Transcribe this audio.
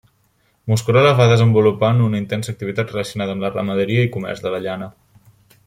Mosquerola va desenvolupant una intensa activitat relacionada amb la ramaderia i comerç de la llana.